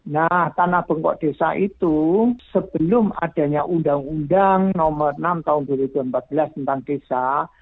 nah tanah bengkok desa itu sebelum adanya undang undang nomor enam tahun dua ribu empat belas tentang desa